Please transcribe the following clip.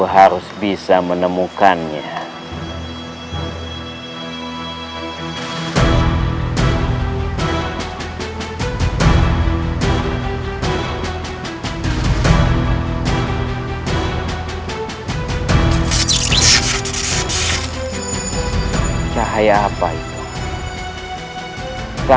ya allah semoga kakinya tidak ada apa apa